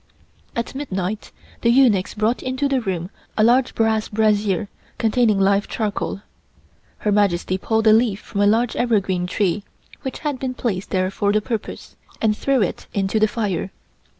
At midnight the eunuchs brought into the room a large brass brazier containing live charcoal. Her Majesty pulled a leaf from a large evergreen tree, which had been placed there for the purpose, and threw it into the fire.